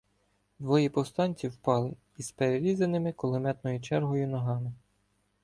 Двоє повстанців впали із перерізаними кулеметною чергою ногами.